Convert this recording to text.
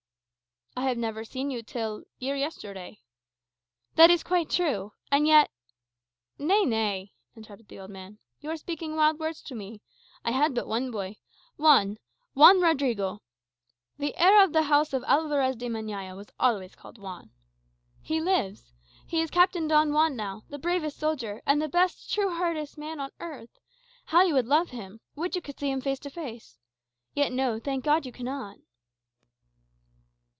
"I have never seen you till ere yesterday." "That is quite true; and yet " "Nay, nay," interrupted the old man; "you are speaking wild words to me. I had but one boy Juan Juan Rodrigo. The heir of the house of Alvarez de Meñaya was always called Juan." "He lives. He is Captain Don Juan now, the bravest soldier, and the best, truest hearted man on earth. How you would love him! Would you could see him face to face! Yet no; thank God you cannot."